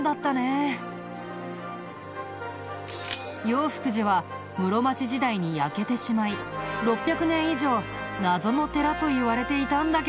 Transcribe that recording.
永福寺は室町時代に焼けてしまい６００年以上謎の寺といわれていたんだけど。